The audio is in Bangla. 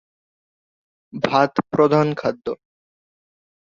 ভাত প্রধান খাদ্য।